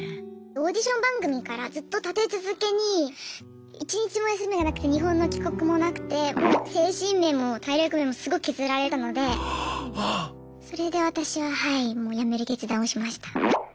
オーディション番組からずっと立て続けに一日も休みがなくて日本の帰国もなくてもう精神面も体力面もすごく削られたのでそれで私ははいもうやめる決断をしました。